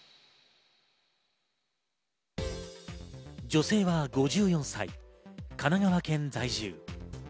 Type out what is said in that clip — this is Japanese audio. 女性は５４歳、神奈川県在住。